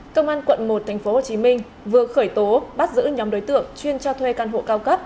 công an quận một tp hcm vừa khởi tố bắt giữ nhóm đối tượng chuyên cho thuê căn hộ cao cấp